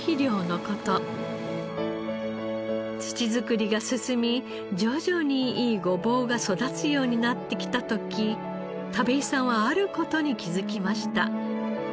土づくりが進み徐々にいいごぼうが育つようになってきた時田部井さんはある事に気づきました。